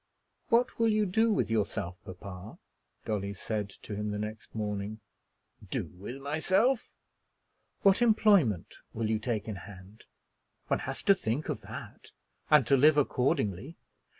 "What will you do with yourself, papa?" Dolly said to him the next morning. "Do with myself?" "What employment will you take in hand? One has to think of that, and to live accordingly.